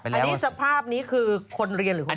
อันนี้สภาพนี้คือคนเรียนหรือคน